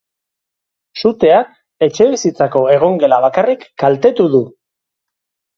Suteak etxebizitzako egongela bakarrik kaltetu du.